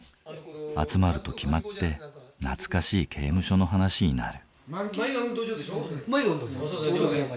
集まると決まって懐かしい刑務所の話になる。